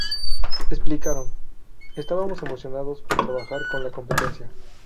Explicaron, "Estábamos emocionados por trabajar con la 'competencia'.